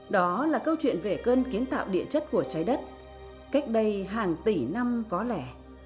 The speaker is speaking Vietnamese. đó là câu chuyện về cơn kiến tạo địa chất của trái đất cách đây hàng tỷ năm có lẻ